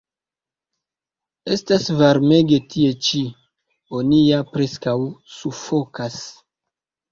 Estas varmege tie ĉi; oni ja preskaŭ sufokas.